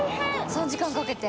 ３時間かけて？